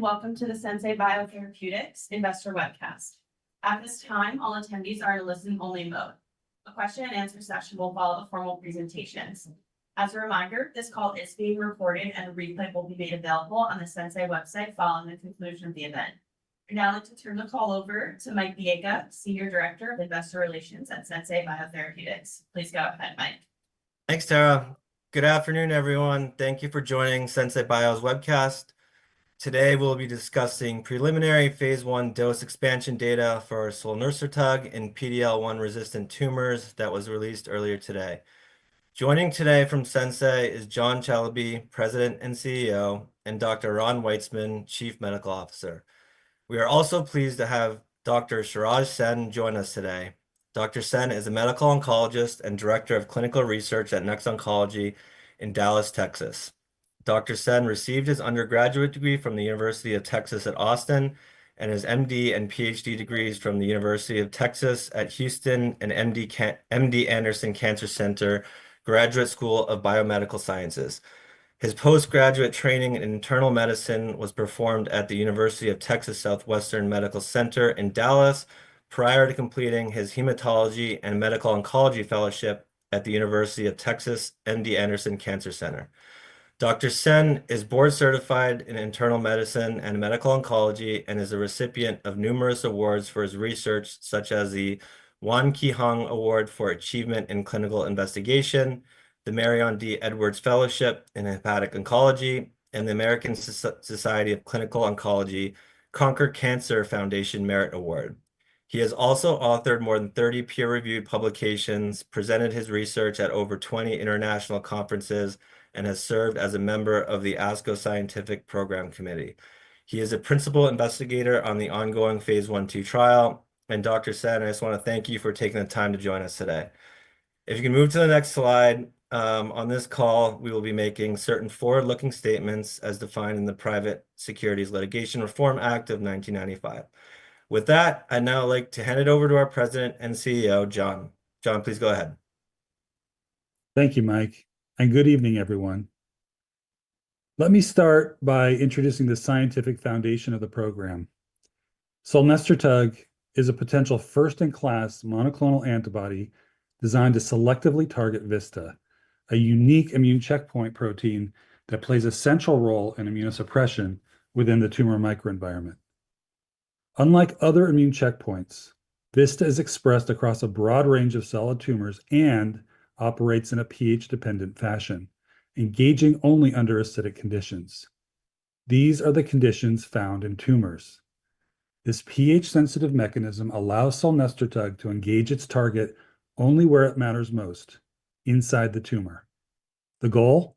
Welcome to the Sensei Biotherapeutics Investor Webcast. At this time, all attendees are in listening-only mode. A question-and-answer session will follow the formal presentations. As a reminder, this call is being recorded, and a replay will be made available on the Sensei website following the conclusion of the event. I'd now like to turn the call over to Mike Biega, Senior Director of Investor Relations at Sensei Biotherapeutics. Please go ahead, Mike. Thanks, Tara. Good afternoon, everyone. Thank you for joining Sensei Bio's Webcast. Today, we'll be discussing preliminary phase I dose expansion data for solnerstotug in PD-L1 resistant tumors that was released earlier today. Joining today from Sensei is John Celebi, President and CEO, and Dr. Ron Weitzman, Chief Medical Officer. We are also pleased to have Dr. Shiraj Sen join us today. Dr. Sen is a Medical Oncologist and Director of Clinical Research at NEXT Oncology in Dallas, Texas. Dr. Sen received his undergraduate degree from the University of Texas at Austin and his MD and PhD degrees from the University of Texas at Houston and MD Anderson Cancer Center Graduate School of Biomedical Sciences. His postgraduate training in internal medicine was performed at the University of Texas Southwestern Medical Center in Dallas prior to completing his Hematology and Medical Oncology Fellowship at the University of Texas MD Anderson Cancer Center. Dr. Sen is board-certified in internal medicine and medical oncology and is a recipient of numerous awards for his research, such as the Waun Ki Hong Award for Achievement in Clinical Investigation, the Marion D. Edwards Fellowship in Hepatic Oncology, and the American Society of Clinical Oncology Conquer Cancer Foundation Merit Award. He has also authored more than 30 peer-reviewed publications, presented his research at over 20 international conferences, and has served as a member of the ASCO Scientific Program Committee. He is a principal investigator on the ongoing phase I-II trial. Dr. Sen, I just want to thank you for taking the time to join us today. If you can move to the next slide, on this call, we will be making certain forward-looking statements as defined in the Private Securities Litigation Reform Act of 1995. With that, I'd now like to hand it over to our President and CEO, John. John, please go ahead. Thank you, Mike. Good evening, everyone. Let me start by introducing the scientific foundation of the program. Solnerstotug is a potential first-in-class monoclonal antibody designed to selectively target VISTA, a unique immune checkpoint protein that plays a central role in immunosuppression within the tumor microenvironment. Unlike other immune checkpoints, VISTA is expressed across a broad range of solid tumors and operates in a pH-dependent fashion, engaging only under acidic conditions. These are the conditions found in tumors. This pH-sensitive mechanism allows solnerstotug to engage its target only where it matters most, inside the tumor. The goal?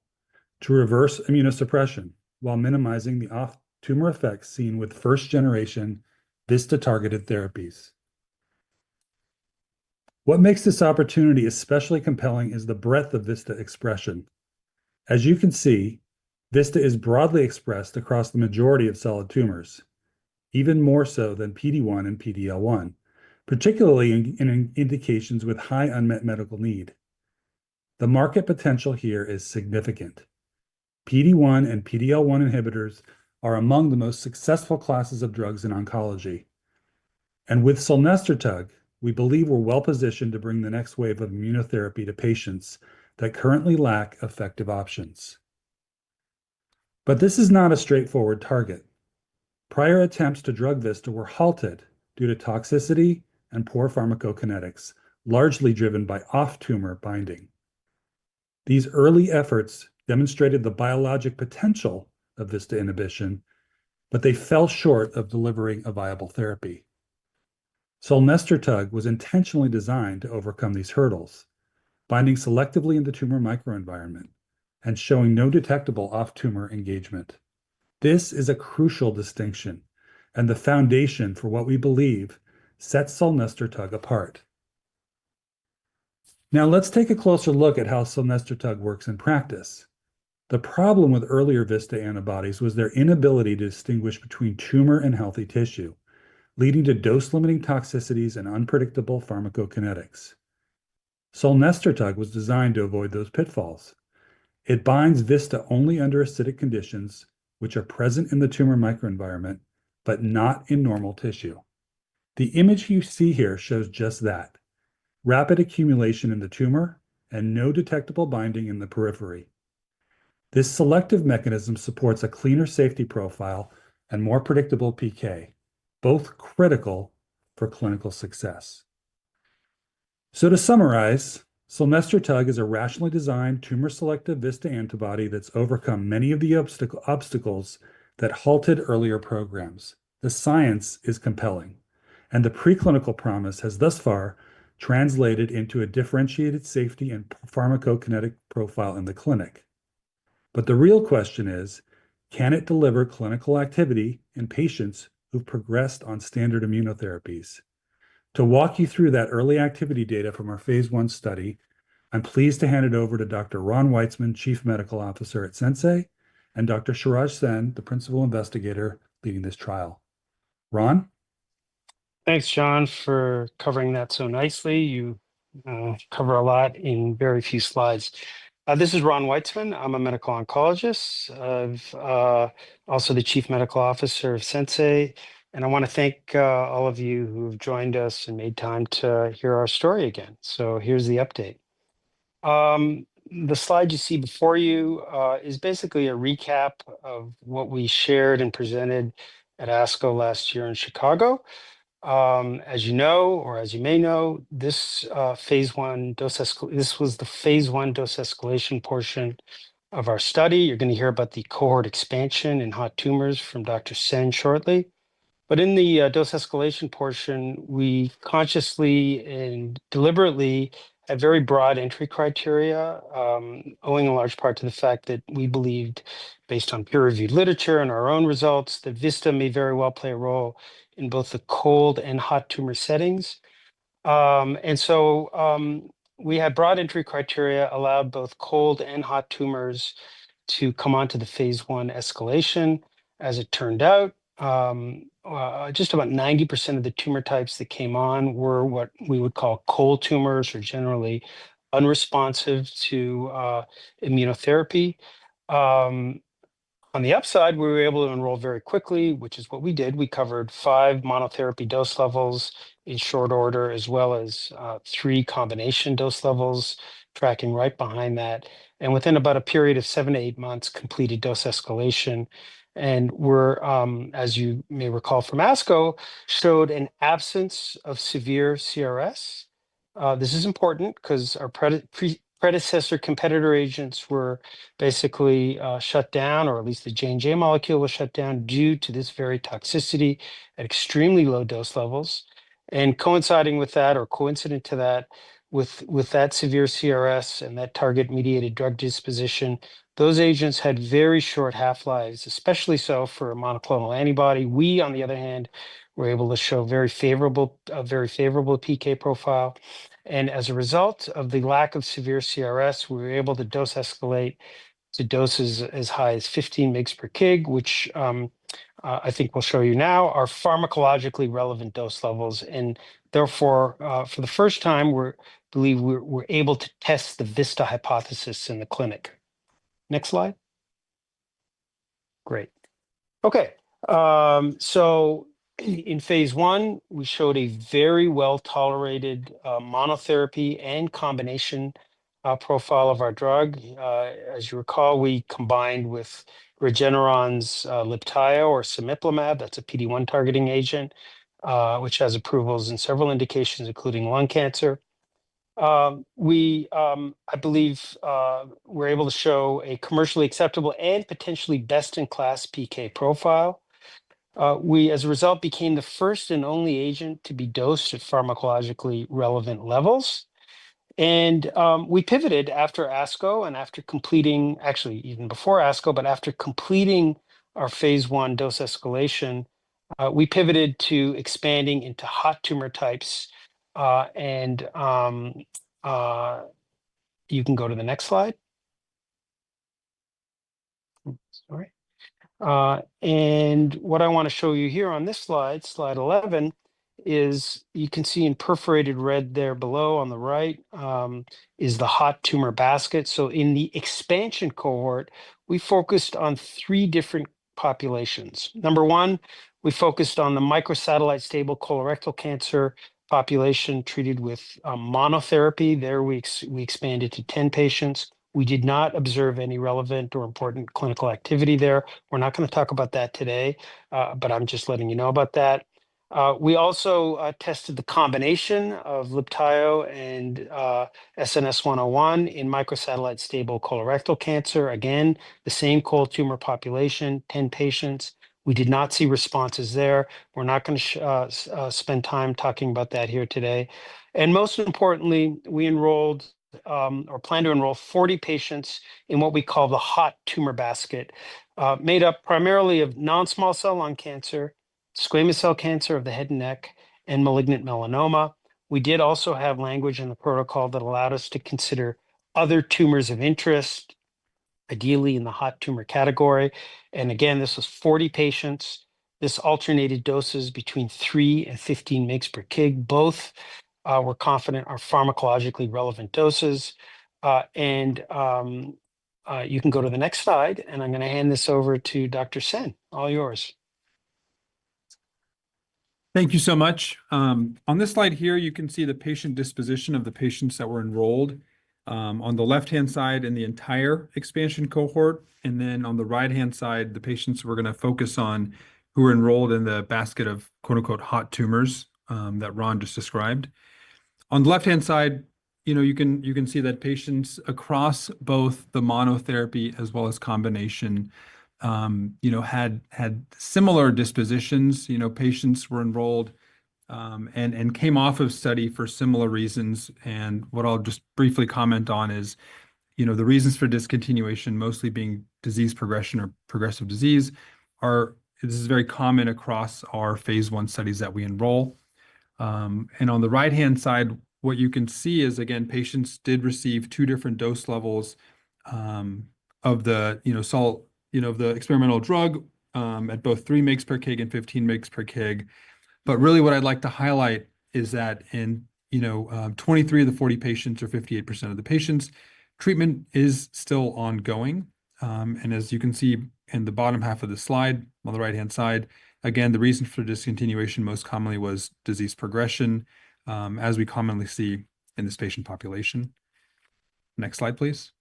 To reverse immunosuppression while minimizing the off-tumor effects seen with first-generation VISTA-targeted therapies. What makes this opportunity especially compelling is the breadth of VISTA expression. As you can see, VISTA is broadly expressed across the majority of solid tumors, even more so than PD-1 and PD-L1, particularly in indications with high unmet medical need. The market potential here is significant. PD-1 and PD-L1 inhibitors are among the most successful classes of drugs in oncology. With solnerstotug, we believe we're well-positioned to bring the next wave of immunotherapy to patients that currently lack effective options. This is not a straightforward target. Prior attempts to drug VISTA were halted due to toxicity and poor pharmacokinetics, largely driven by off-tumor binding. These early efforts demonstrated the biologic potential of VISTA inhibition, but they fell short of delivering a viable therapy. solnerstotug was intentionally designed to overcome these hurdles, binding selectively in the tumor microenvironment and showing no detectable off-tumor engagement. This is a crucial distinction and the foundation for what we believe sets solnerstotug apart. Now, let's take a closer look at how solnerstotug works in practice. The problem with earlier VISTA antibodies was their inability to distinguish between tumor and healthy tissue, leading to dose-limiting toxicities and unpredictable pharmacokinetics. Solnerstotug was designed to avoid those pitfalls. It binds VISTA only under acidic conditions, which are present in the tumor microenvironment but not in normal tissue. The image you see here shows just that: rapid accumulation in the tumor and no detectable binding in the periphery. This selective mechanism supports a cleaner safety profile and more predictable PK, both critical for clinical success. To summarize, solnerstotug is a rationally designed tumor-selective VISTA antibody that's overcome many of the obstacles that halted earlier programs. The science is compelling, and the preclinical promise has thus far translated into a differentiated safety and pharmacokinetic profile in the clinic. The real question is, can it deliver clinical activity in patients who've progressed on standard immunotherapies? To walk you through that early activity data from our phase I study, I'm pleased to hand it over to Dr. Ron Weitzman, Chief Medical Officer at Sensei, and Dr. Shiraj Sen, the principal investigator leading this trial. Ron? Thanks, John, for covering that so nicely. You cover a lot in very few slides. This is Ron Weitzman. I'm a Medical Oncologist, also the Chief Medical Officer of Sensei. I want to thank all of you who have joined us and made time to hear our story again. Here's the update. The slide you see before you is basically a recap of what we shared and presented at ASCO last year in Chicago. As you know, or as you may know, this phase I dose, this was the phase I dose escalation portion of our study. You're going to hear about the cohort expansion in hot tumors from Dr. Sen shortly. In the dose escalation portion, we consciously and deliberately had very broad entry criteria, owing in large part to the fact that we believed, based on peer-reviewed literature and our own results, that VISTA may very well play a role in both the cold and hot tumor settings. We had broad entry criteria that allowed both cold and hot tumors to come onto the phase I escalation. As it turned out, just about 90% of the tumor types that came on were what we would call cold tumors or generally unresponsive to immunotherapy. On the upside, we were able to enroll very quickly, which is what we did. We covered five monotherapy dose levels in short order, as well as three combination dose levels, tracking right behind that. Within about a period of seven to eight months, we completed dose escalation. As you may recall from ASCO, we showed an absence of severe CRS. This is important because our predecessor competitor agents were basically shut down, or at least the J&J molecule was shut down due to this very toxicity at extremely low dose levels. Coinciding with that, with that severe CRS and that target-mediated drug disposition, those agents had very short half-lives, especially so for a monoclonal antibody. We, on the other hand, were able to show a very favorable PK profile. As a result of the lack of severe CRS, we were able to dose escalate to doses as high as 15 mg/kg, which I think we'll show you now are pharmacologically relevant dose levels. Therefore, for the first time, we believe we were able to test the VISTA hypothesis in the clinic. Next slide. Great. Okay. In phase I, we showed a very well-tolerated monotherapy and combination profile of our drug. As you recall, we combined with Regeneron's Libtayo or cemiplimab. That's a PD-1 targeting agent, which has approvals in several indications, including lung cancer. We, I believe, were able to show a commercially acceptable and potentially best-in-class PK profile. We, as a result, became the first and only agent to be dosed at pharmacologically relevant levels. We pivoted after ASCO and after completing, actually, even before ASCO, but after completing our phase I dose escalation, we pivoted to expanding into hot tumor types. You can go to the next slide. Sorry. What I want to show you here on this slide, slide 11, is you can see in perforated red there below on the right is the hot tumor basket. In the expansion cohort, we focused on three different populations. Number one, we focused on the microsatellite stable colorectal cancer population treated with monotherapy. There, we expanded to 10 patients. We did not observe any relevant or important clinical activity there. We're not going to talk about that today, but I'm just letting you know about that. We also tested the combination of Libtayo and SNS-101 in microsatellite stable colorectal cancer. Again, the same cold tumor population, 10 patients. We did not see responses there. We're not going to spend time talking about that here today. Most importantly, we enrolled or plan to enroll 40 patients in what we call the hot tumor basket, made up primarily of non-small cell lung cancer, squamous cell cancer of the head and neck, and malignant melanoma. We did also have language in the protocol that allowed us to consider other tumors of interest, ideally in the hot tumor category. This was 40 patients. This alternated doses between 3 and 15 mg/kg. Both were confident are pharmacologically relevant doses. You can go to the next slide. I'm going to hand this over to Dr. Sen. All yours. Thank you so much. On this slide here, you can see the patient disposition of the patients that were enrolled on the left-hand side in the entire expansion cohort. You can see on the right-hand side the patients we're going to focus on who were enrolled in the basket of "hot tumors" that Ron just described. On the left-hand side, you can see that patients across both the monotherapy as well as combination had similar dispositions. Patients were enrolled and came off of study for similar reasons. What I'll just briefly comment on is the reasons for discontinuation, mostly being disease progression or progressive disease, as this is very common across our phase I studies that we enroll. On the right-hand side, what you can see is, again, patients did receive two different dose levels of the experimental drug at both 3 mg/kg and 15 mg/kg. What I'd like to highlight is that in 23 of the 40 patients, or 58% of the patients, treatment is still ongoing. As you can see in the bottom half of the slide on the right-hand side, the reason for discontinuation most commonly was disease progression, as we commonly see in this patient population. Next slide, please.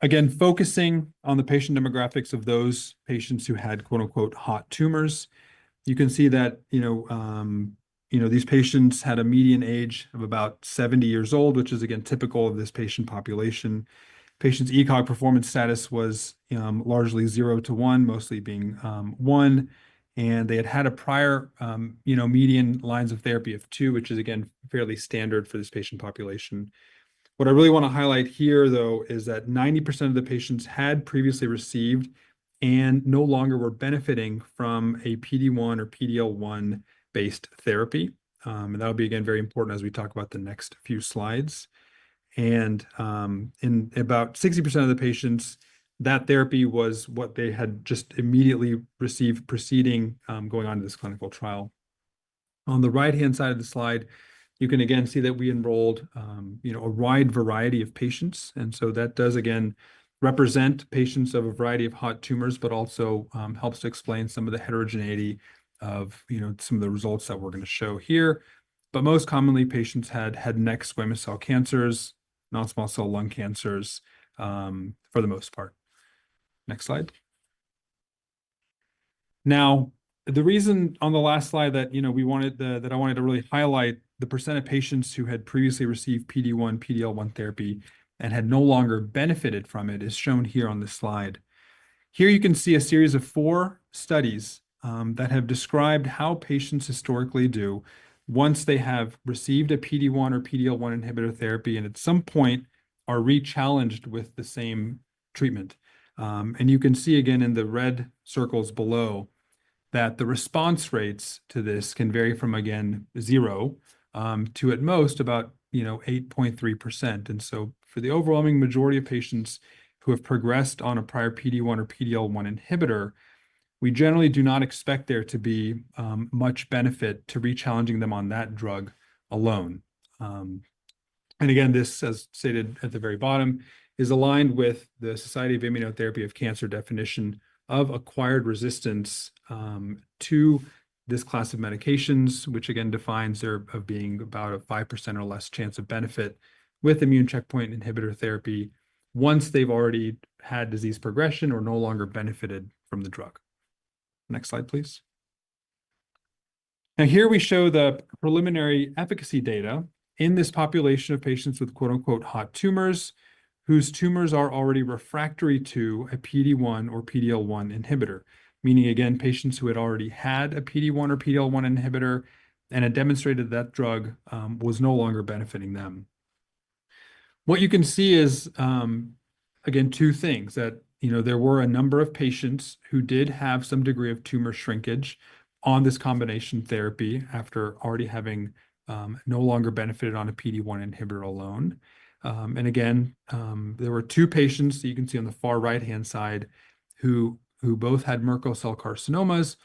Again, focusing on the patient demographics of those patients who had "hot tumors," you can see that these patients had a median age of about 70 years old, which is, again, typical of this patient population. Patients' ECOG performance status was largely 0 to 1, mostly being 1. They had had a prior median lines of therapy of 2, which is, again, fairly standard for this patient population. What I really want to highlight here, though, is that 90% of the patients had previously received and no longer were benefiting from a PD-1 or PD-L1-based therapy. That will be, again, very important as we talk about the next few slides. In about 60% of the patients, that therapy was what they had just immediately received preceding going on to this clinical trial. On the right-hand side of the slide, you can, again, see that we enrolled a wide variety of patients. That does, again, represent patients of a variety of hot tumors, but also helps to explain some of the heterogeneity of some of the results that we're going to show here. Most commonly, patients had head and neck squamous cell cancers, non-small cell lung cancers for the most part. Next slide. Now, the reason on the last slide that I wanted to really highlight the % of patients who had previously received PD-1, PD-L1 therapy and had no longer benefited from it is shown here on this slide. Here, you can see a series of four studies that have described how patients historically do once they have received a PD-1 or PD-L1 inhibitor therapy and at some point are re-challenged with the same treatment. You can see, again, in the red circles below that the response rates to this can vary from, again, 0% to at most about 8.3%. For the overwhelming majority of patients who have progressed on a prior PD-1 or PD-L1 inhibitor, we generally do not expect there to be much benefit to re-challenging them on that drug alone. This, as stated at the very bottom, is aligned with the Society for Immunotherapy of Cancer definition of acquired resistance to this class of medications, which defines there being about a 5% or less chance of benefit with immune checkpoint inhibitor therapy once they have already had disease progression or no longer benefited from the drug. Next slide, please. Here we show the preliminary efficacy data in this population of patients with "hot tumors" whose tumors are already refractory to a PD-1 or PD-L1 inhibitor, meaning patients who had already had a PD-1 or PD-L1 inhibitor and had demonstrated that drug was no longer benefiting them. What you can see is two things: that there were a number of patients who did have some degree of tumor shrinkage on this combination therapy after already having no longer benefited on a PD-1 inhibitor alone. There were two patients that you can see on the far right-hand side who both had Merkel cell carcinomas,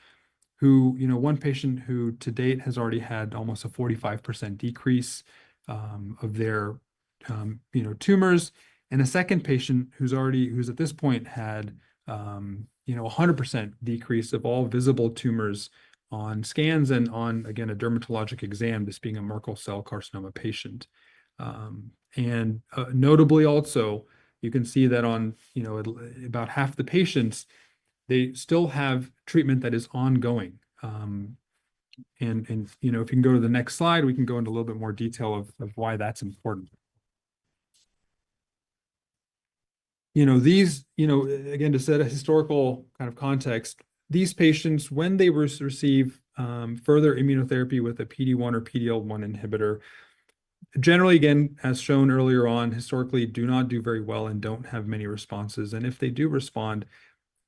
one patient who to date has already had almost a 45% decrease of their tumors, and a second patient who at this point has had a 100% decrease of all visible tumors on scans and on, again, a dermatologic exam, this being a Merkel cell carcinoma patient. Notably, also, you can see that on about half the patients, they still have treatment that is ongoing. If you can go to the next slide, we can go into a little bit more detail of why that's important. Again, to set a historical kind of context, these patients, when they receive further immunotherapy with a PD-1 or PD-L1 inhibitor, generally, as shown earlier on, historically do not do very well and do not have many responses. If they do respond,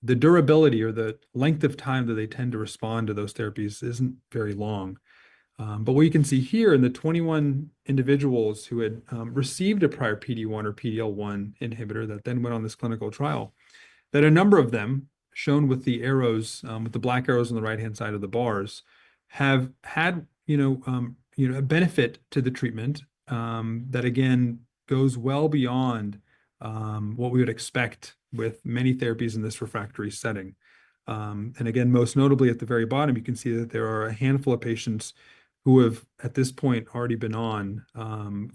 the durability or the length of time that they tend to respond to those therapies is not very long. What you can see here in the 21 individuals who had received a prior PD-1 or PD-L1 inhibitor that then went on this clinical trial is that a number of them, shown with the arrows, with the black arrows on the right-hand side of the bars, have had a benefit to the treatment that, again, goes well beyond what we would expect with many therapies in this refractory setting. Most notably, at the very bottom, you can see that there are a handful of patients who have, at this point, already been on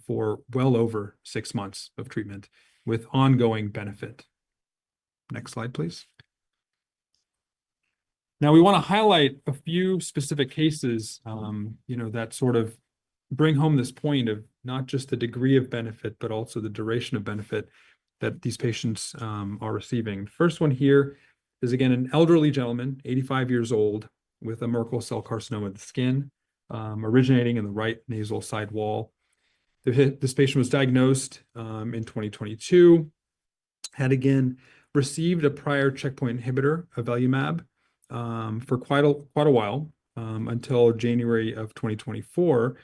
for well over six months of treatment with ongoing benefit. Next slide, please. Now, we want to highlight a few specific cases that sort of bring home this point of not just the degree of benefit, but also the duration of benefit that these patients are receiving. The first one here is, again, an elderly gentleman, 85 years old, with a Merkel cell carcinoma of the skin originating in the right nasal side wall. This patient was diagnosed in 2022, had, again, received a prior checkpoint inhibitor, avelumab, for quite a while until January of 2024,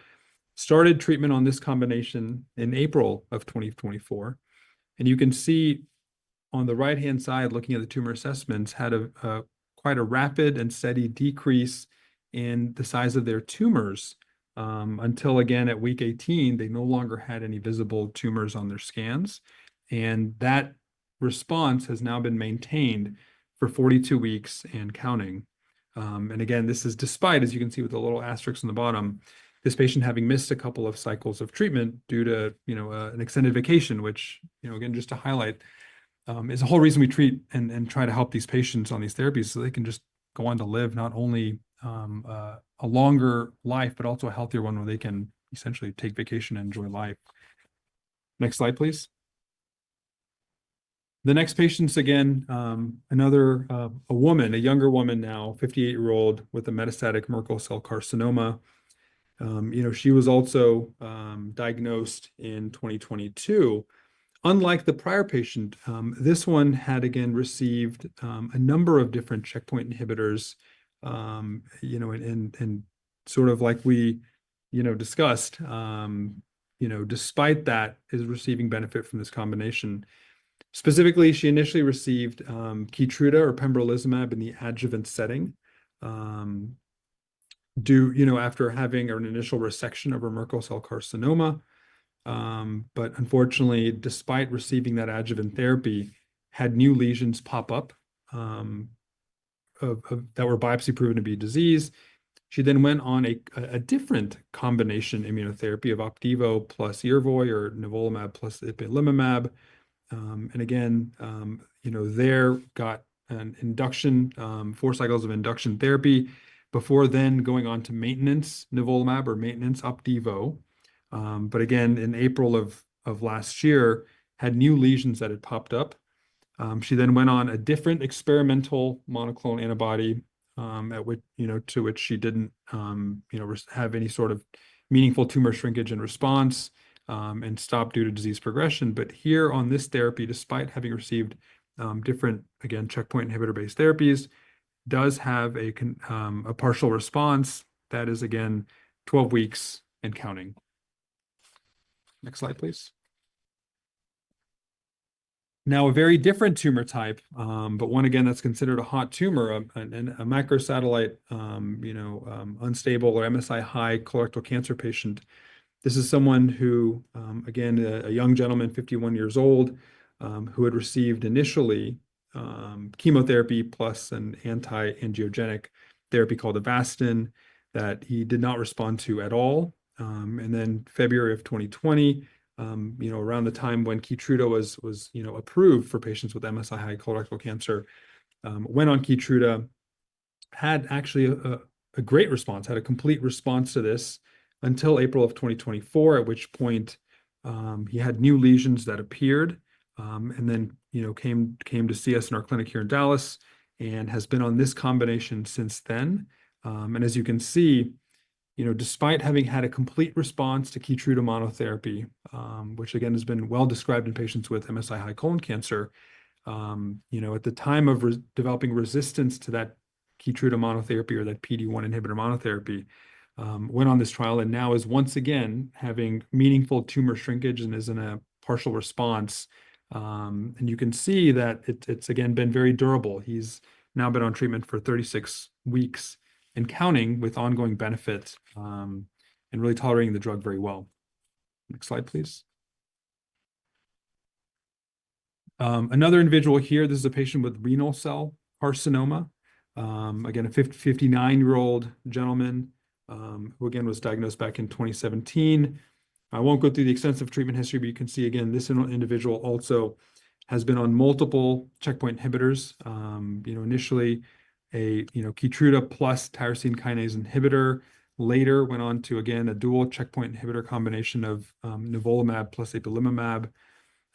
started treatment on this combination in April of 2024. You can see on the right-hand side, looking at the tumor assessments, had quite a rapid and steady decrease in the size of their tumors until, again, at week 18, they no longer had any visible tumors on their scans. That response has now been maintained for 42 weeks and counting. This is despite, as you can see with the little asterisks on the bottom, this patient having missed a couple of cycles of treatment due to an extended vacation, which, just to highlight, is a whole reason we treat and try to help these patients on these therapies so they can just go on to live not only a longer life, but also a healthier one where they can essentially take vacation and enjoy life. Next slide, please. The next patient is, again, another woman, a younger woman now, 58-year-old, with a metastatic Merkel cell carcinoma. She was also diagnosed in 2022. Unlike the prior patient, this one had, again, received a number of different checkpoint inhibitors. Sort of like we discussed, despite that, is receiving benefit from this combination. Specifically, she initially received Keytruda or pembrolizumab in the adjuvant setting after having an initial resection of her Merkel cell carcinoma. Unfortunately, despite receiving that adjuvant therapy, she had new lesions pop up that were biopsy-proven to be disease. She then went on a different combination immunotherapy of Opdivo plus Yervoy or nivolumab plus ipilimumab. She got four cycles of induction therapy before then going on to maintenance nivolumab or maintenance Opdivo. Again, in April of last year, she had new lesions that had popped up. She then went on a different experimental monoclonal antibody to which she did not have any sort of meaningful tumor shrinkage and response and stopped due to disease progression. Here on this therapy, despite having received different, again, checkpoint inhibitor-based therapies, she does have a partial response that is, again, 12 weeks and counting. Next slide, please. Now, a very different tumor type, but one, again, that's considered a hot tumor, a microsatellite unstable or MSI-High colorectal cancer patient. This is someone who, again, a young gentleman, 51 years old, who had received initially chemotherapy plus an anti-angiogenic therapy called Avastin that he did not respond to at all. Then February of 2020, around the time when Keytruda was approved for patients with MSI-High colorectal cancer, went on Keytruda, had actually a great response, had a complete response to this until April of 2024, at which point he had new lesions that appeared and then came to see us in our clinic here in Dallas and has been on this combination since then. As you can see, despite having had a complete response to Keytruda monotherapy, which, again, has been well described in patients with MSI-High colon cancer, at the time of developing resistance to that Keytruda monotherapy or that PD-1 inhibitor monotherapy, went on this trial and now is once again having meaningful tumor shrinkage and is in a partial response. You can see that it's, again, been very durable. He's now been on treatment for 36 weeks and counting with ongoing benefit and really tolerating the drug very well. Next slide, please. Another individual here, this is a patient with renal cell carcinoma. Again, a 59-year-old gentleman who, again, was diagnosed back in 2017. I won't go through the extensive treatment history, but you can see, again, this individual also has been on multiple checkpoint inhibitors. Initially, a Keytruda plus tyrosine kinase inhibitor. Later went on to, again, a dual checkpoint inhibitor combination of nivolumab plus ipilimumab.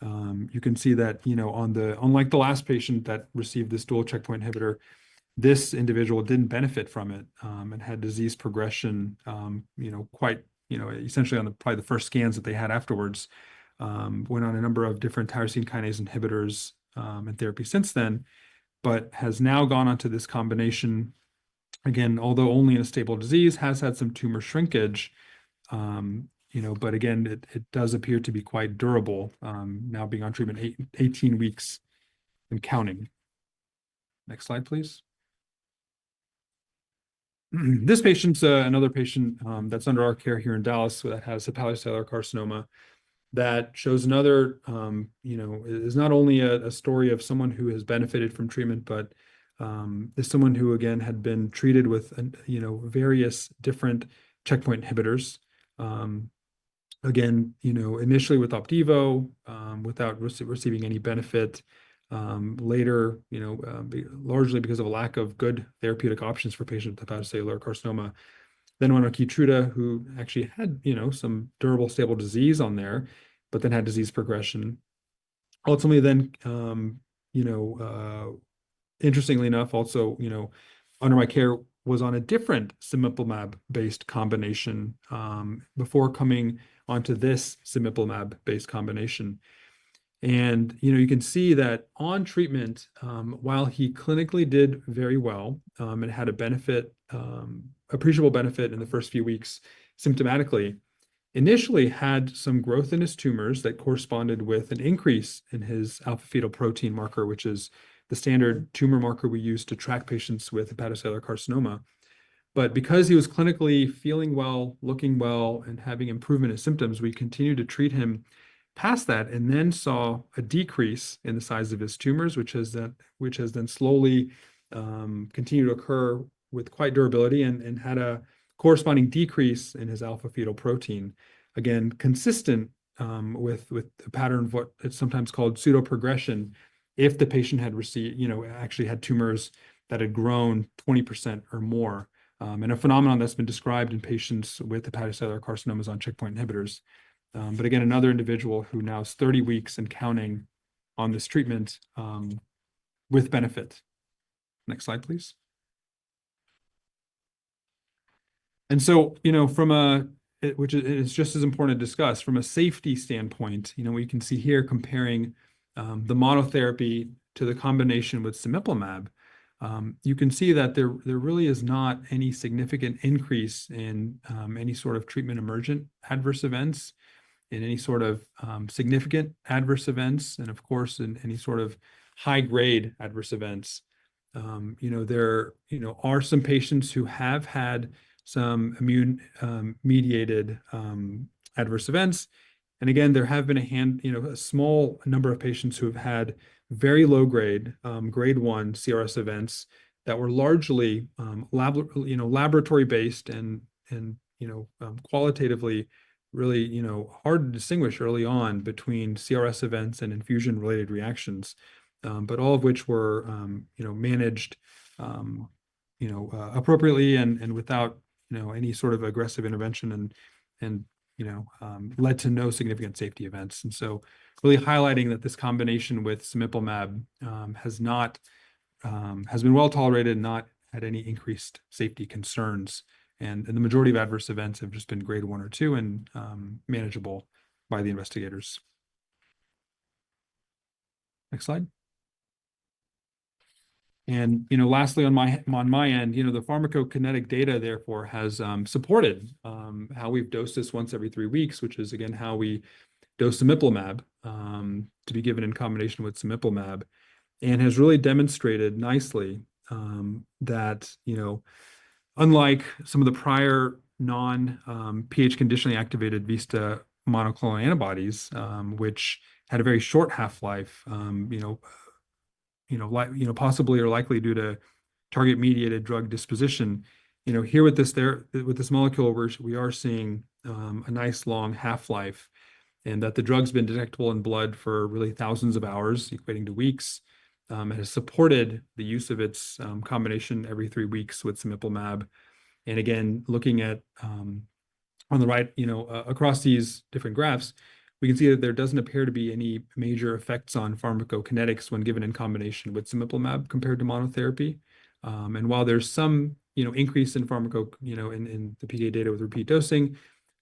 You can see that, unlike the last patient that received this dual checkpoint inhibitor, this individual did not benefit from it and had disease progression quite essentially on probably the first scans that they had afterwards. Went on a number of different tyrosine kinase inhibitors and therapy since then, but has now gone on to this combination, again, although only in a stable disease, has had some tumor shrinkage. It does appear to be quite durable now being on treatment 18 weeks and counting. Next slide, please. This patient's another patient that's under our care here in Dallas that has a hepatocellular carcinoma that shows another is not only a story of someone who has benefited from treatment, but is someone who, again, had been treated with various different checkpoint inhibitors. Again, initially with Opdivo without receiving any benefit, later, largely because of a lack of good therapeutic options for patients with hepatocellular carcinoma. Then went on Keytruda who actually had some durable stable disease on there, but then had disease progression. Ultimately, interestingly enough, also under my care was on a different cemiplimab-based combination before coming on to this cemiplimab-based combination. You can see that on treatment, while he clinically did very well and had an appreciable benefit in the first few weeks symptomatically, initially had some growth in his tumors that corresponded with an increase in his alpha-fetoprotein marker, which is the standard tumor marker we use to track patients with hepatocellular carcinoma. Because he was clinically feeling well, looking well, and having improvement in symptoms, we continued to treat him past that and then saw a decrease in the size of his tumors, which has then slowly continued to occur with quite durability and had a corresponding decrease in his alpha-fetoprotein, again, consistent with the pattern of what is sometimes called pseudoprogression if the patient actually had tumors that had grown 20% or more. A phenomenon that's been described in patients with hepatocellular carcinomas on checkpoint inhibitors. Again, another individual who now is 30 weeks and counting on this treatment with benefit. Next slide, please. From a, which is just as important to discuss, from a safety standpoint, we can see here comparing the monotherapy to the combination with cemiplimab, you can see that there really is not any significant increase in any sort of treatment emergent adverse events, in any sort of significant adverse events, and of course, in any sort of high-grade adverse events. There are some patients who have had some immune-mediated adverse events. Again, there have been a small number of patients who have had very low-grade, grade 1 CRS events that were largely laboratory-based and qualitatively really hard to distinguish early on between CRS events and infusion-related reactions, but all of which were managed appropriately and without any sort of aggressive intervention and led to no significant safety events. Really highlighting that this combination with cemiplimab has been well tolerated, not had any increased safety concerns. The majority of adverse events have just been grade 1 or 2 and manageable by the investigators. Next slide. Lastly, on my end, the pharmacokinetic data, therefore, has supported how we've dosed this once every three weeks, which is, again, how we dose cemiplimab to be given in combination with cemiplimab. It has really demonstrated nicely that, unlike some of the prior non-pH conditionally activated VISTA monoclonal antibodies, which had a very short half-life, possibly or likely due to target-mediated drug disposition, here with this molecule, we are seeing a nice long half-life and that the drug's been detectable in blood for really thousands of hours, equating to weeks, and has supported the use of its combination every three weeks with cemiplimab. Again, looking at on the right, across these different graphs, we can see that there does not appear to be any major effects on pharmacokinetics when given in combination with cemiplimab compared to monotherapy. While there is some increase in pharmacokinetics in the PK data with repeat dosing,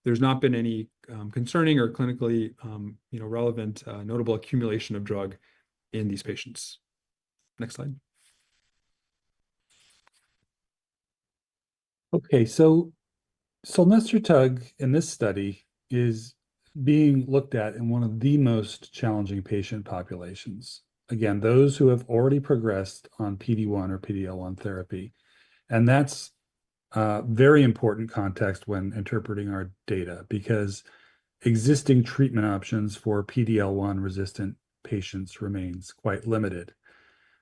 there has not been any concerning or clinically relevant notable accumulation of drug in these patients. Next slide. Okay. Solnerstotug in this study is being looked at in one of the most challenging patient populations. Again, those who have already progressed on PD-1 or PD-L1 therapy. That is very important context when interpreting our data because existing treatment options for PD-L1 resistant patients remain quite limited.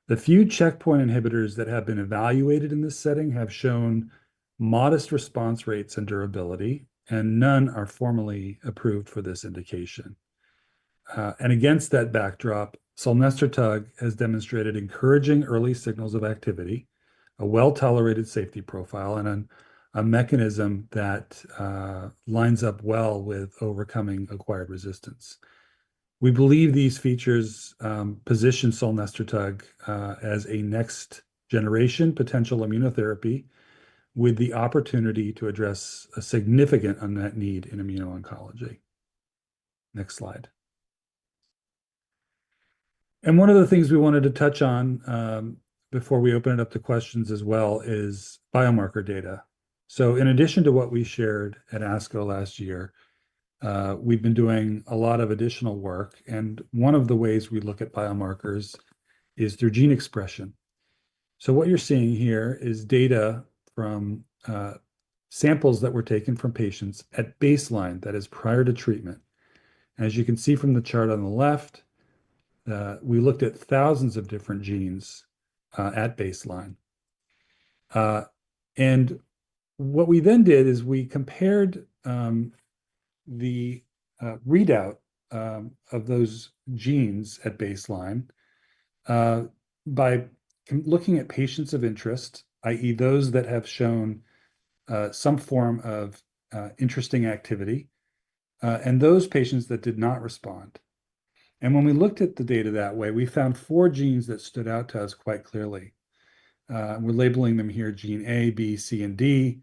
The few checkpoint inhibitors that have been evaluated in this setting have shown modest response rates and durability, and none are formally approved for this indication. Against that backdrop, solnerstotug has demonstrated encouraging early signals of activity, a well-tolerated safety profile, and a mechanism that lines up well with overcoming acquired resistance. We believe these features position Solnerstotug as a next-generation potential immunotherapy with the opportunity to address a significant unmet need in immuno-oncology. Next slide. One of the things we wanted to touch on before we open it up to questions as well is biomarker data. In addition to what we shared at ASCO last year, we've been doing a lot of additional work. One of the ways we look at biomarkers is through gene expression. What you're seeing here is data from samples that were taken from patients at baseline, that is, prior to treatment. As you can see from the chart on the left, we looked at thousands of different genes at baseline. What we then did is we compared the readout of those genes at baseline by looking at patients of interest, i.e., those that have shown some form of interesting activity, and those patients that did not respond. When we looked at the data that way, we found four genes that stood out to us quite clearly. We're labeling them here, Gene A, B, C, and D.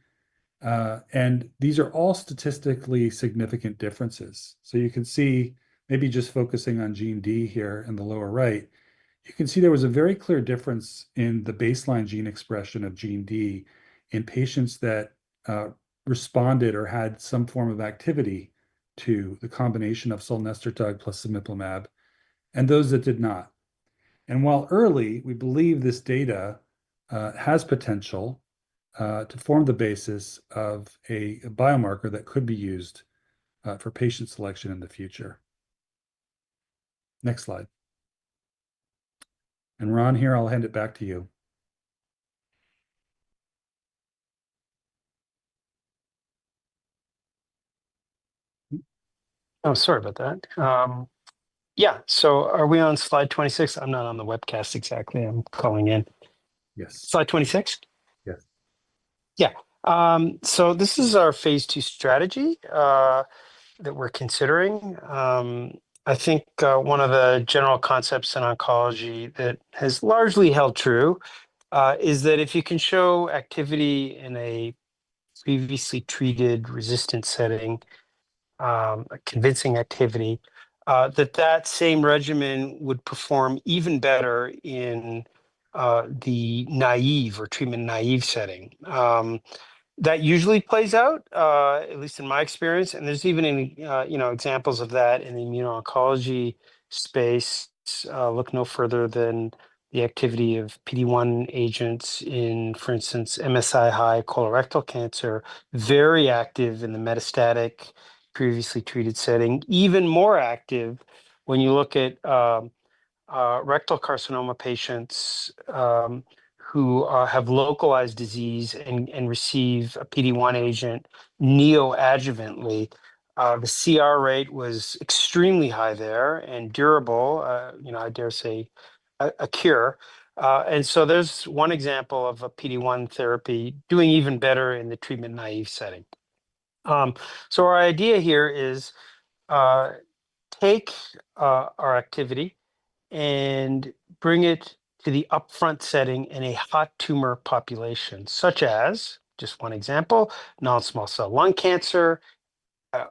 These are all statistically significant differences. You can see, maybe just focusing on Gene D here in the lower right, you can see there was a very clear difference in the baseline gene expression of Gene D in patients that responded or had some form of activity to the combination of solnerstotug plus Libtayo and those that did not. While early, we believe this data has potential to form the basis of a biomarker that could be used for patient selection in the future. Next slide. We're Ron here. I'll hand it back to you. Oh, sorry about that. Yeah. Are we on slide 26? I'm not on the webcast exactly. I'm calling in. Yes. Slide 26? Yes. Yeah. This is our phase II strategy that we're considering. I think one of the general concepts in oncology that has largely held true is that if you can show activity in a previously treated resistant setting, a convincing activity, that that same regimen would perform even better in the naive or treatment naive setting. That usually plays out, at least in my experience. There's even examples of that in the immuno-oncology space. Look no further than the activity of PD-1 agents in, for instance, MSI-High colorectal cancer, very active in the metastatic previously treated setting, even more active when you look at rectal carcinoma patients who have localized disease and receive a PD-1 agent neoadjuvantly. The CR rate was extremely high there and durable, I dare say, a cure. There is one example of a PD-1 therapy doing even better in the treatment naive setting. Our idea here is take our activity and bring it to the upfront setting in a hot tumor population, such as, just one example, non-small cell lung cancer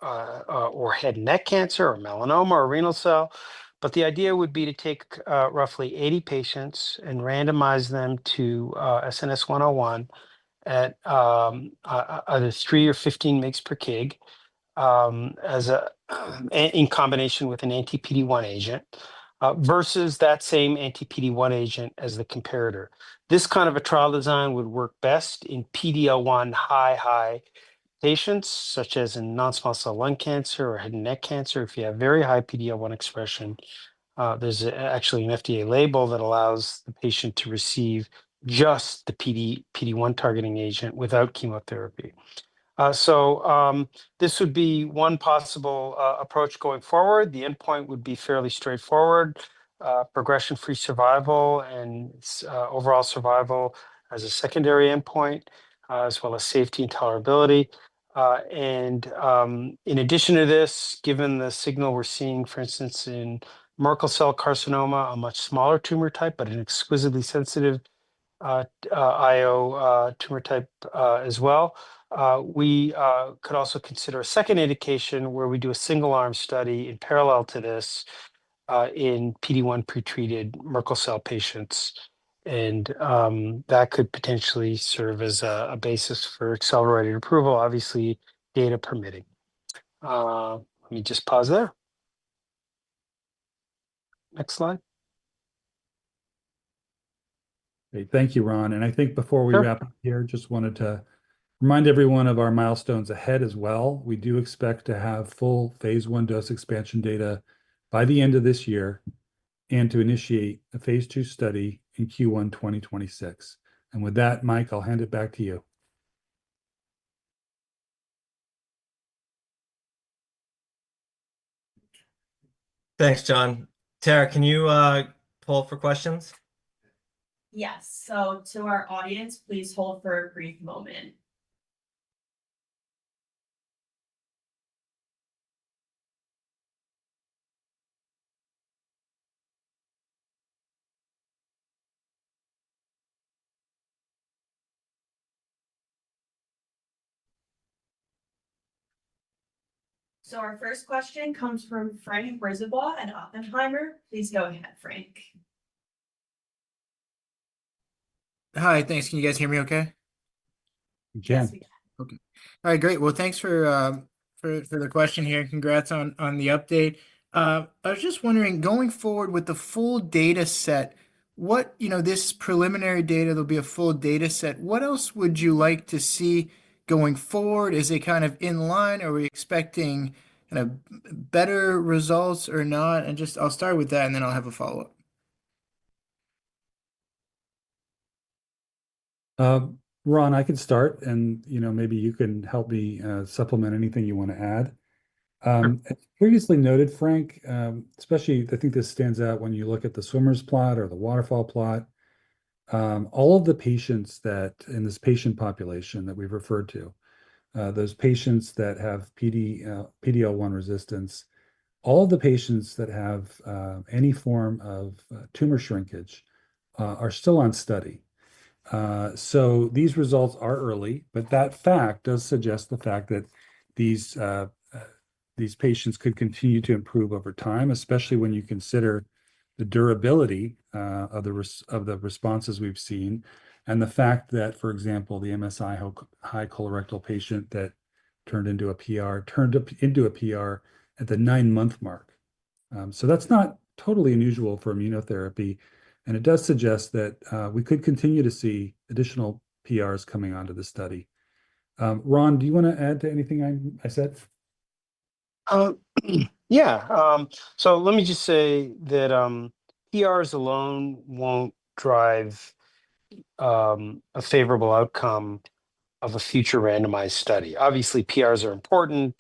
or head and neck cancer or melanoma or renal cell. The idea would be to take roughly 80 patients and randomize them to SNS-101 at either 3 or 15 mg per kg in combination with an anti-PD-1 agent versus that same anti-PD-1 agent as the comparator. This kind of a trial design would work best in PD-L1 high, high patients, such as in non-small cell lung cancer or head and neck cancer. If you have very high PD-L1 expression, there's actually an FDA label that allows the patient to receive just the PD-1 targeting agent without chemotherapy. This would be one possible approach going forward. The endpoint would be fairly straightforward, progression-free survival and overall survival as a secondary endpoint, as well as safety and tolerability. In addition to this, given the signal we're seeing, for instance, in Merkel cell carcinoma, a much smaller tumor type, but an exquisitely sensitive IO tumor type as well, we could also consider a second indication where we do a single-arm study in parallel to this in PD-1 pretreated Merkel cell patients. That could potentially serve as a basis for accelerated approval, obviously, data permitting. Let me just pause there. Next slide. Great. Thank you, Ron. I think before we wrap up here, just wanted to remind everyone of our milestones ahead as well. We do expect to have full phase I dose expansion data by the end of this year and to initiate a phase II study in Q1 2026. With that, Mike, I'll hand it back to you. Thanks, John. Tara, can you poll for questions? Yes. To our audience, please hold for a brief moment. Our first question comes from Frank Brisebois at Oppenheimer. Please go ahead, Frank. Hi. Thanks. Can you guys hear me okay? Yes. Okay. All right. Great. Thanks for the question here. Congrats on the update. I was just wondering, going forward with the full data set, this preliminary data, there will be a full data set. What else would you like to see going forward? Is it kind of in line? Are we expecting better results or not? I will start with that, and then I will have a follow-up. Ron, I can start, and maybe you can help me supplement anything you want to add. As previously noted, Frank, especially, I think this stands out when you look at the swimmers' plot or the waterfall plot. All of the patients in this patient population that we've referred to, those patients that have PD-L1 resistance, all of the patients that have any form of tumor shrinkage are still on study. These results are early, but that fact does suggest the fact that these patients could continue to improve over time, especially when you consider the durability of the responses we've seen and the fact that, for example, the MSI-High colorectal patient that turned into a PR turned into a PR at the nine-month mark. That is not totally unusual for immunotherapy. It does suggest that we could continue to see additional PRs coming onto the study. Ron, do you want to add to anything I said? Yeah. Let me just say that PRs alone won't drive a favorable outcome of a future randomized study. Obviously, PRs are important.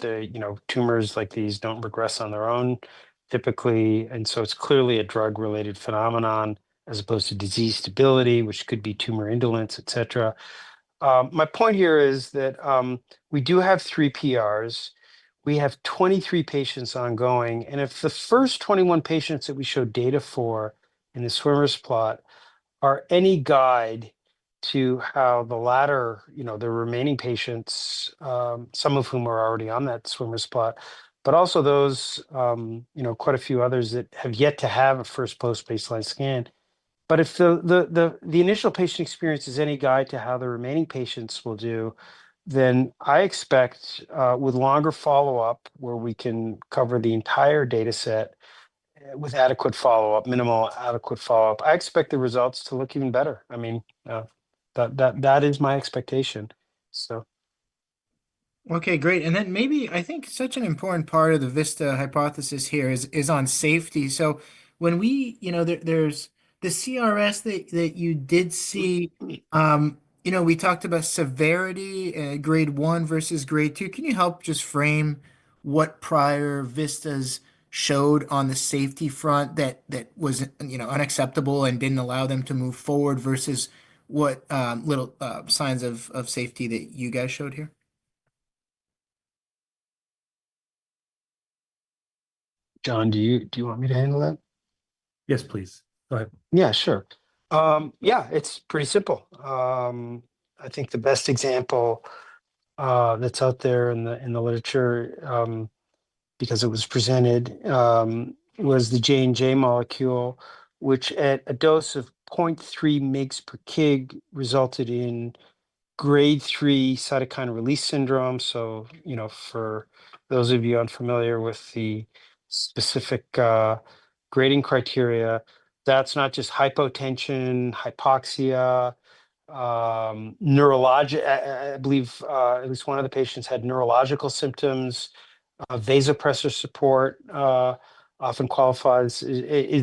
Tumors like these do not regress on their own typically. It is clearly a drug-related phenomenon as opposed to disease stability, which could be tumor indolence, etc. My point here is that we do have three PRs. We have 23 patients ongoing. If the first 21 patients that we showed data for in the swimmers' plot are any guide to how the latter, the remaining patients, some of whom are already on that swimmers' plot, but also quite a few others that have yet to have a first post-baseline scan, if the initial patient experience is any guide to how the remaining patients will do, I expect with longer follow-up where we can cover the entire data set with adequate follow-up, minimal adequate follow-up, I expect the results to look even better. I mean, that is my expectation, so. Okay. Great. I think such an important part of the VISTA hypothesis here is on safety. When there's the CRS that you did see, we talked about severity, grade one versus grade two. Can you help just frame what prior VISTAs showed on the safety front that was unacceptable and did not allow them to move forward versus what little signs of safety that you guys showed here? John, do you want me to handle that? Yes, please. Go ahead. Yeah, sure. Yeah, it's pretty simple. I think the best example that's out there in the literature because it was presented was the Johnson & Johnson molecule, which at a dose of 0.3 mg per kg resulted in grade three cytokine release syndrome. For those of you unfamiliar with the specific grading criteria, that's not just hypotension, hypoxia, neurologic. I believe at least one of the patients had neurological symptoms. Vasopressor support is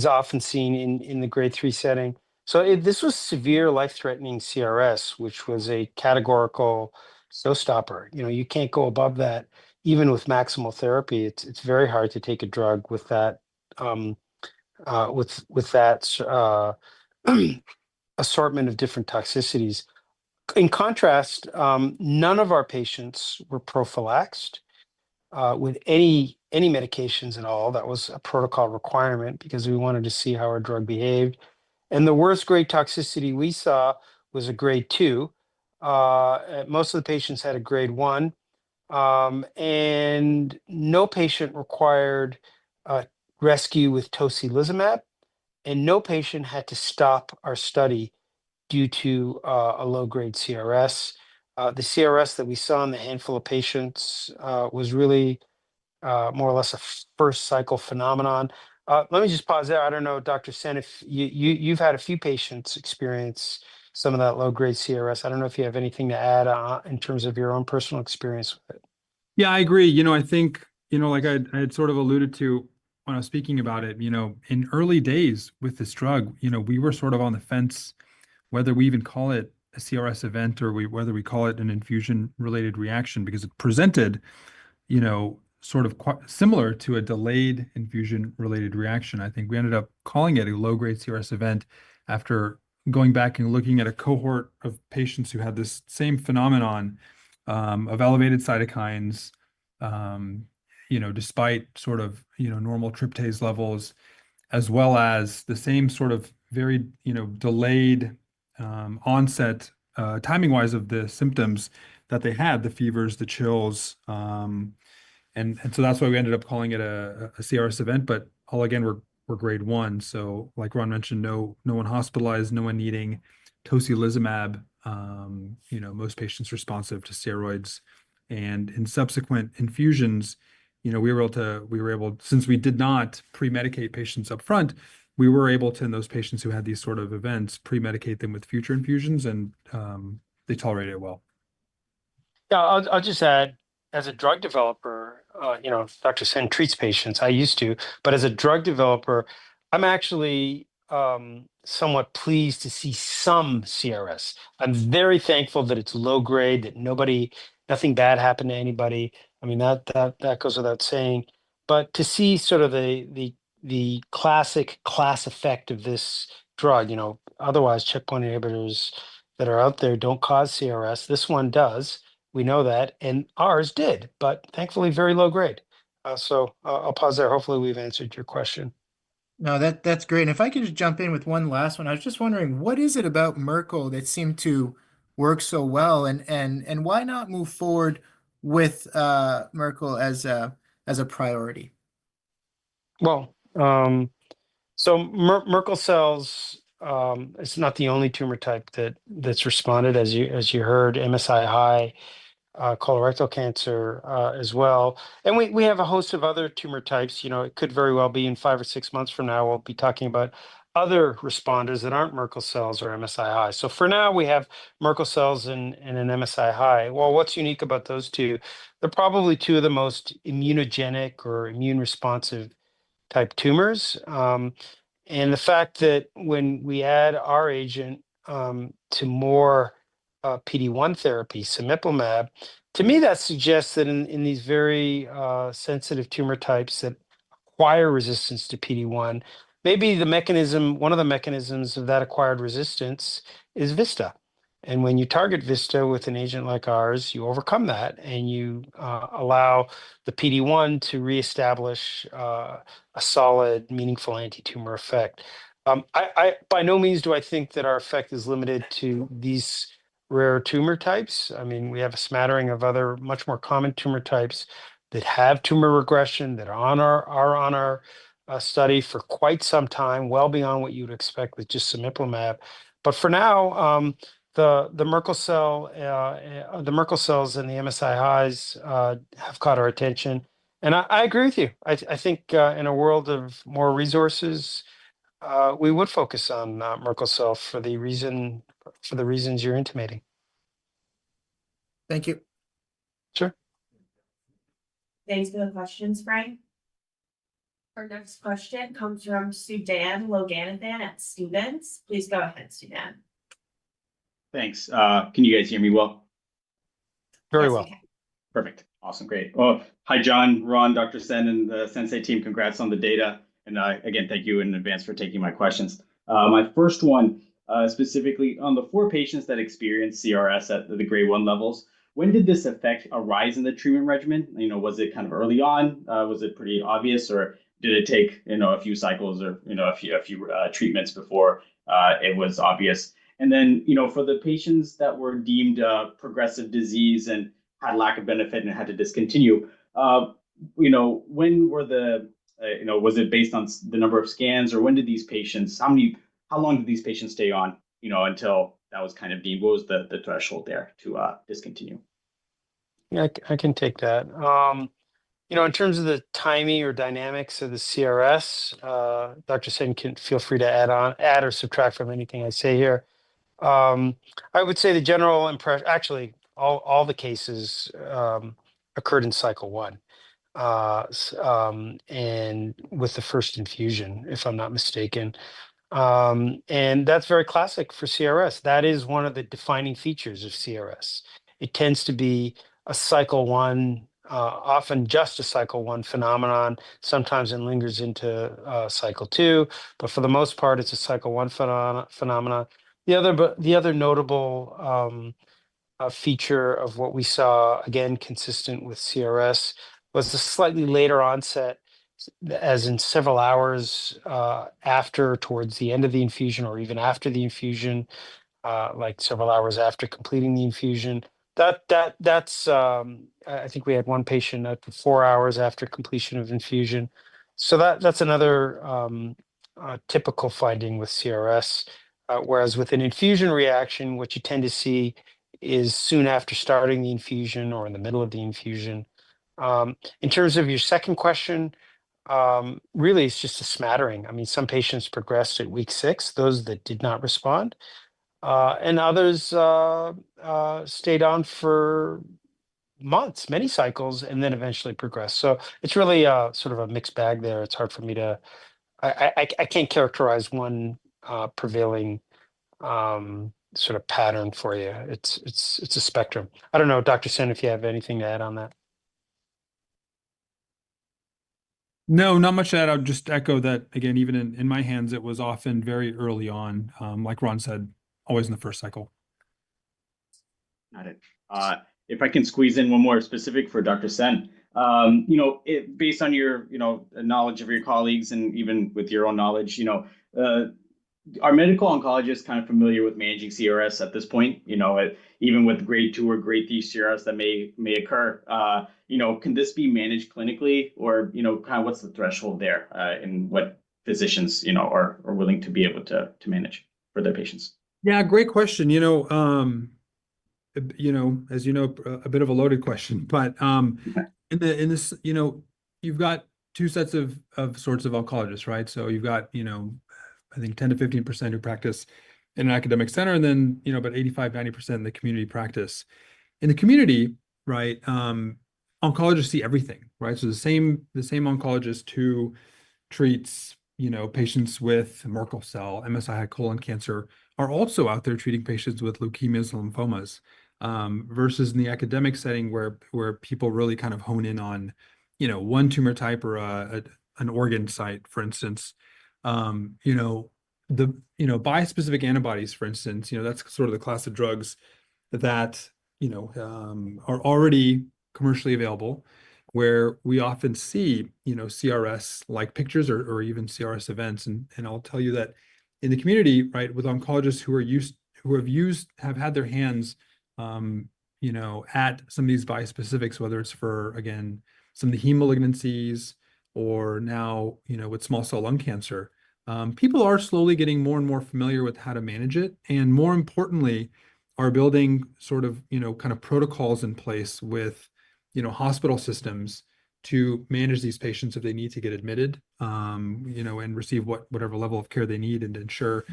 often seen in the grade three setting. This was severe life-threatening CRS, which was a categorical showstopper. You cannot go above that. Even with maximal therapy, it is very hard to take a drug with that assortment of different toxicities. In contrast, none of our patients were prophylaxed with any medications at all. That was a protocol requirement because we wanted to see how our drug behaved. The worst grade toxicity we saw was a grade two. Most of the patients had a grade one. No patient required rescue with tocilizumab. No patient had to stop our study due to a low-grade CRS. The CRS that we saw in the handful of patients was really more or less a first cycle phenomenon. Let me just pause there. I do not know, Dr. Sen, if you have had a few patients experience some of that low-grade CRS. I don't know if you have anything to add in terms of your own personal experience with it. Yeah, I agree. I think, like I had sort of alluded to when I was speaking about it, in early days with this drug, we were sort of on the fence whether we even call it a CRS event or whether we call it an infusion-related reaction because it presented sort of similar to a delayed infusion-related reaction. I think we ended up calling it a low-grade CRS event after going back and looking at a cohort of patients who had this same phenomenon of elevated cytokines despite sort of normal tryptase levels, as well as the same sort of very delayed onset timing-wise of the symptoms that they had, the fevers, the chills. That is why we ended up calling it a CRS event. All again, we're grade one. Like Ron mentioned, no one hospitalized, no one needing tocilizumab. Most patients responsive to steroids. In subsequent infusions, since we did not pre-medicate patients upfront, we were able to, in those patients who had these sort of events, pre-medicate them with future infusions, and they tolerated it well. Yeah. I'll just add, as a drug developer, Dr. Sen treats patients. I used to. As a drug developer, I'm actually somewhat pleased to see some CRS. I'm very thankful that it's low-grade, that nothing bad happened to anybody. I mean, that goes without saying. To see sort of the classic class effect of this drug, otherwise, checkpoint inhibitors that are out there do not cause CRS. This one does. We know that. Ours did, but thankfully, very low-grade. I'll pause there. Hopefully, we've answered your question. No, that's great. If I could just jump in with one last one, I was just wondering, what is it about Merkel that seemed to work so well? Why not move forward with Merkel as a priority? Merkel cells is not the only tumor type that's responded, as you heard, MSI-High colorectal cancer as well. We have a host of other tumor types. It could very well be in five or six months from now, we'll be talking about other responders that aren't Merkel cells or MSI-High. For now, we have Merkel cells and an MSI-High. What's unique about those two? They're probably two of the most immunogenic or immune-responsive type tumors. The fact that when we add our agent to more PD-1 therapy, cemiplimab, to me, that suggests that in these very sensitive tumor types that acquire resistance to PD-1, maybe one of the mechanisms of that acquired resistance is VISTA. When you target VISTA with an agent like ours, you overcome that, and you allow the PD-1 to reestablish a solid, meaningful anti-tumor effect. By no means do I think that our effect is limited to these rare tumor types. I mean, we have a smattering of other much more common tumor types that have tumor regression that are on our study for quite some time, well beyond what you'd expect with just cemiplimab. For now, the Merkel cells and the MSI-Highs have caught our attention. I agree with you. I think in a world of more resources, we would focus on Merkel cells for the reasons you're intimating. Thank you. Sure. Thanks for the questions, Frank. Our next question comes from Sudan Loganathan at Stifel. Please go ahead, Sudan. Thanks. Can you guys hear me well? Very well. Perfect. Awesome. Great. Hi, John, Ron, Dr. Sen, and the Sensei team. Congrats on the data. Again, thank you in advance for taking my questions. My first one, specifically on the four patients that experienced CRS at the grade one levels, when did this effect arise in the treatment regimen? Was it kind of early on? Was it pretty obvious, or did it take a few cycles or a few treatments before it was obvious? For the patients that were deemed progressive disease and had lack of benefit and had to discontinue, was it based on the number of scans, or how long did these patients stay on until that was kind of deemed? What was the threshold there to discontinue? Yeah, I can take that. In terms of the timing or dynamics of the CRS, Dr. Sen, feel free to add or subtract from anything I say here. I would say the general impression, actually, all the cases occurred in cycle one and with the first infusion, if I'm not mistaken. That is very classic for CRS. That is one of the defining features of CRS. It tends to be a cycle one, often just a cycle one phenomenon. Sometimes it lingers into cycle two. For the most part, it is a cycle one phenomenon. The other notable feature of what we saw, again, consistent with CRS, was the slightly later onset, as in several hours after towards the end of the infusion or even after the infusion, like several hours after completing the infusion. I think we had one patient up to four hours after completion of infusion. That's another typical finding with CRS. Whereas with an infusion reaction, what you tend to see is soon after starting the infusion or in the middle of the infusion. In terms of your second question, really, it's just a smattering. I mean, some patients progressed at week six, those that did not respond. Others stayed on for months, many cycles, and then eventually progressed. It's really sort of a mixed bag there. It's hard for me to I can't characterize one prevailing sort of pattern for you. It's a spectrum. I don't know, Dr. Sen, if you have anything to add on that. No, not much to add. I'll just echo that. Again, even in my hands, it was often very early on, like Ron said, always in the first cycle. Got it. If I can squeeze in one more specific for Dr. Sen, based on your knowledge of your colleagues and even with your own knowledge, are medical oncologists kind of familiar with managing CRS at this point? Even with grade two or grade three CRS that may occur, can this be managed clinically? Or kind of what's the threshold there and what physicians are willing to be able to manage for their patients? Yeah, great question. As you know, a bit of a loaded question. In this, you've got two sets of sorts of oncologists, right? You've got, I think, 10-15% of practice in an academic center, and then about 85-90% in the community practice. In the community, right, oncologists see everything, right? The same oncologist who treats patients with Merkel cell, MSI-High colon cancer, are also out there treating patients with leukemias and lymphomas versus in the academic setting where people really kind of hone in on one tumor type or an organ site, for instance. Bispecific antibodies, for instance, that's sort of the class of drugs that are already commercially available where we often see CRS-like pictures or even CRS events. I'll tell you that in the community, right, with oncologists who have had their hands at some of these bispecifics, whether it's for, again, some of the hemolignancies or now with small cell lung cancer, people are slowly getting more and more familiar with how to manage it. More importantly, they are building sort of kind of protocols in place with hospital systems to manage these patients if they need to get admitted and receive whatever level of care they need and ensure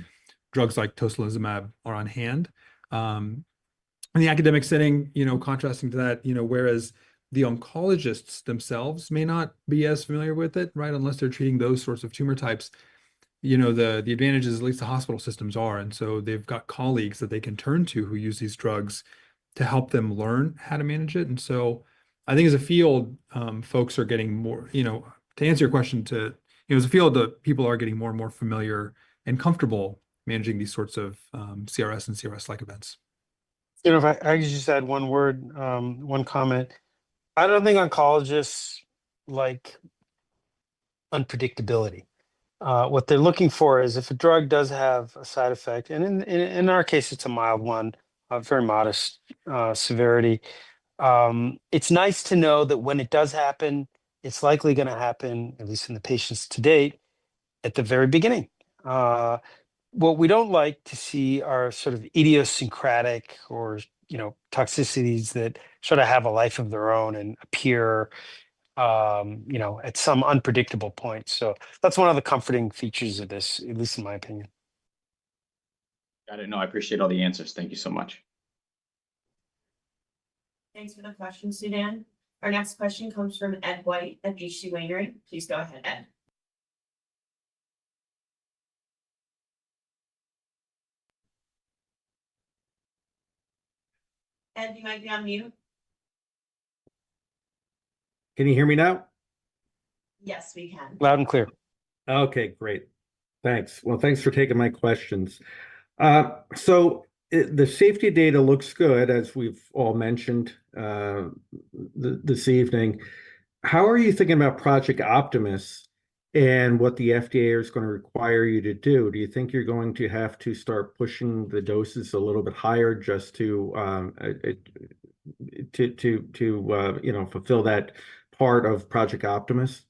drugs like tocilizumab are on hand. In the academic setting, contrasting to that, whereas the oncologists themselves may not be as familiar with it, right, unless they're treating those sorts of tumor types, the advantages, at least the hospital systems, are. They have got colleagues that they can turn to who use these drugs to help them learn how to manage it. I think as a field, folks are getting more to answer your question, it's a field that people are getting more and more familiar and comfortable managing these sorts of CRS and CRS-like events. If I could just add one word, one comment. I don't think oncologists like unpredictability. What they're looking for is if a drug does have a side effect, and in our case, it's a mild one, very modest severity. It's nice to know that when it does happen, it's likely going to happen, at least in the patients to date, at the very beginning. What we don't like to see are sort of idiosyncratic or toxicities that sort of have a life of their own and appear at some unpredictable point. That's one of the comforting features of this, at least in my opinion. Got it. No, I appreciate all the answers. Thank you so much. Thanks for the question, Sudan. Our next question comes from Ed White at H.C. Wainwright. Please go ahead, Ed. Ed, you might be on mute. Can you hear me now? Yes, we can. Loud and clear. Okay, great. Thanks. Thanks for taking my questions. The safety data looks good, as we've all mentioned this evening. How are you thinking about Project Optimus and what the FDA is going to require you to do? Do you think you're going to have to start pushing the doses a little bit higher just to fulfill that part of Project Optimus?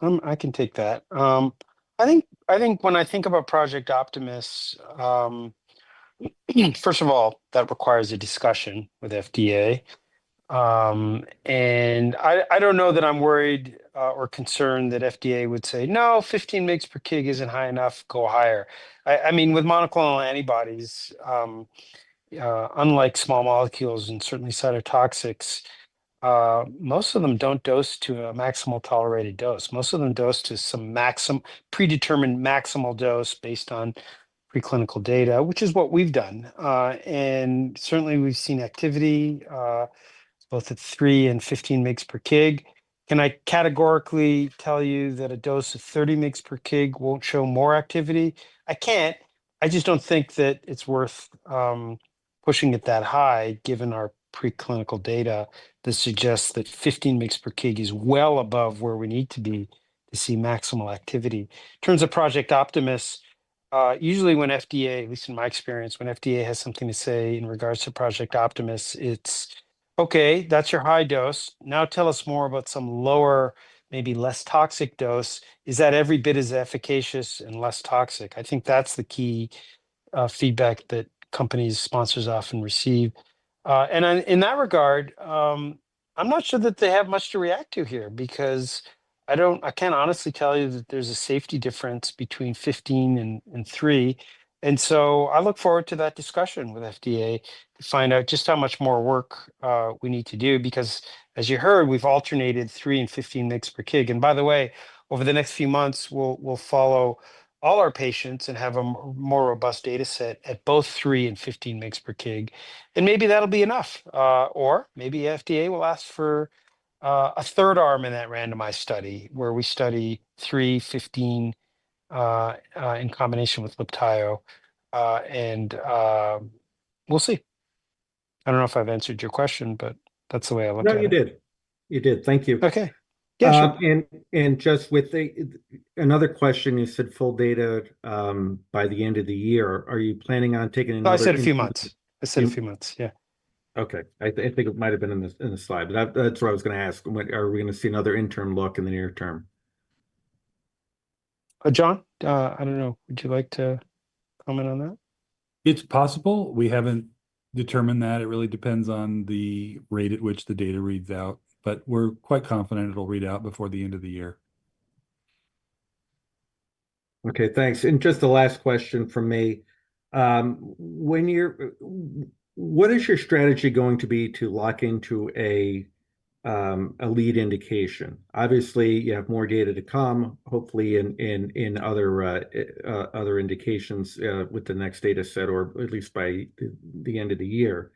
I can take that. I think when I think about Project Optimus, first of all, that requires a discussion with FDA. I don't know that I'm worried or concerned that FDA would say, "No, 15 mg per kg isn't high enough. Go higher." I mean, with monoclonal antibodies, unlike small molecules and certainly cytotoxics, most of them do not dose to a maximal tolerated dose. Most of them dose to some predetermined maximal dose based on preclinical data, which is what we have done. Certainly, we have seen activity both at 3 and 15 mg per kg. Can I categorically tell you that a dose of 30 mg per kg will not show more activity? I cannot. I just do not think that it is worth pushing it that high, given our preclinical data that suggests that 15 mg per kg is well above where we need to be to see maximal activity. In terms of Project Optimus, usually when FDA, at least in my experience, when FDA has something to say in regards to Project Optimus, it is, "Okay, that is your high dose. Now tell us more about some lower, maybe less toxic dose. Is that every bit as efficacious and less toxic?" I think that's the key feedback that companies, sponsors often receive. In that regard, I'm not sure that they have much to react to here because I can't honestly tell you that there's a safety difference between 15 and 3. I look forward to that discussion with FDA to find out just how much more work we need to do because, as you heard, we've alternated 3 and 15 mg per kg. By the way, over the next few months, we'll follow all our patients and have a more robust data set at both 3 and 15 mg per kg. Maybe that'll be enough. Maybe FDA will ask for a third arm in that randomized study where we study 3, 15 in combination with Libtayo. We'll see. I don't know if I've answered your question, but that's the way I look at it. No, you did. You did. Thank you. Okay. Just with another question, you said full data by the end of the year. Are you planning on taking another? I said a few months. I said a few months, yeah. Okay. I think it might have been in the slide. That's what I was going to ask. Are we going to see another interim look in the near term? John, I don't know. Would you like to comment on that? It's possible. We haven't determined that. It really depends on the rate at which the data reads out. We're quite confident it'll read out before the end of the year. Okay. Thanks. Just the last question from me. What is your strategy going to be to lock into a lead indication? Obviously, you have more data to come, hopefully, in other indications with the next data set or at least by the end of the year.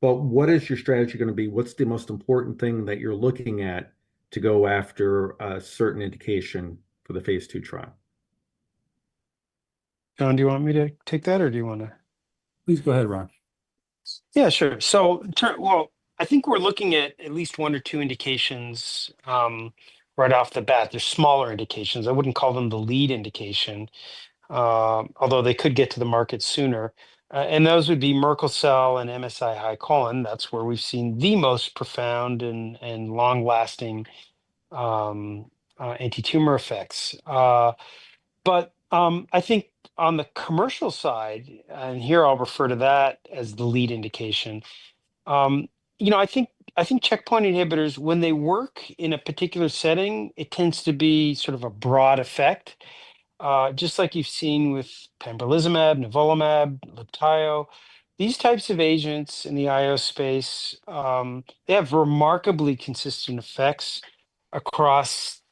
What is your strategy going to be? What's the most important thing that you're looking at to go after a certain indication for the phase II trial? John, do you want me to take that, or do you want to? Please go ahead, Ron. Yeah, sure. I think we're looking at at least one or two indications right off the bat. There are smaller indications. I wouldn't call them the lead indication, although they could get to the market sooner. Those would be Merkel cell and MSI-High colon. That's where we've seen the most profound and long-lasting anti-tumor effects. I think on the commercial side, and here I'll refer to that as the lead indication, I think checkpoint inhibitors, when they work in a particular setting, it tends to be sort of a broad effect. Just like you've seen with pembrolizumab, nivolumab, Libtayo, these types of agents in the IO space, they have remarkably consistent effects across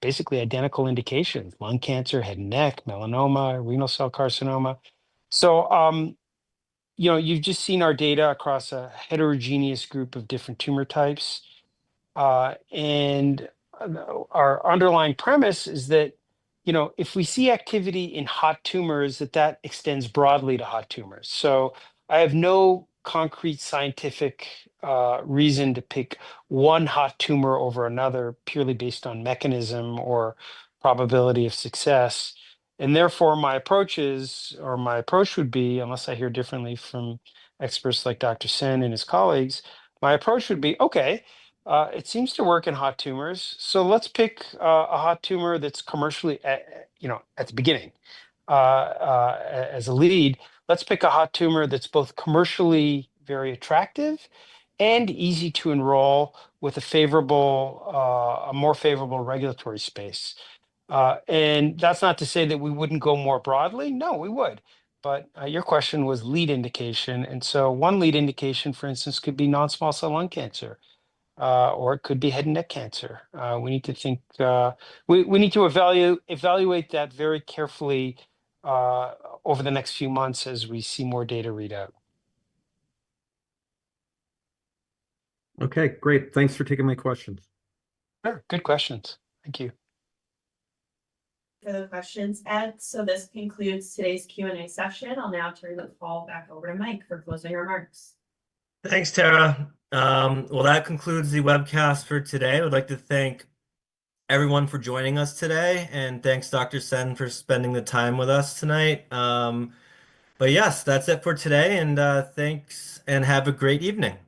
basically identical indications: lung cancer, head and neck, melanoma, renal cell carcinoma. You've just seen our data across a heterogeneous group of different tumor types. Our underlying premise is that if we see activity in hot tumors, that that extends broadly to hot tumors. I have no concrete scientific reason to pick one hot tumor over another purely based on mechanism or probability of success. Therefore, my approach is, or my approach would be, unless I hear differently from experts like Dr. Sen and his colleagues, my approach would be, "Okay, it seems to work in hot tumors. Let's pick a hot tumor that's commercially at the beginning as a lead. Let's pick a hot tumor that's both commercially very attractive and easy to enroll with a more favorable regulatory space." That is not to say that we would not go more broadly. No, we would. Your question was lead indication. One lead indication, for instance, could be non-small cell lung cancer, or it could be head and neck cancer. We need to think, we need to evaluate that very carefully over the next few months as we see more data read out. Okay. Great. Thanks for taking my questions. Sure. Good questions. Thank you for the questions, Ed. This concludes today's Q&A session. I'll now turn the call back over to Mike for closing remarks. Thanks, Tara. That concludes the webcast for today. I would like to thank everyone for joining us today. Thanks, Dr. Sen, for spending the time with us tonight. Yes, that's it for today. Thanks and have a great evening.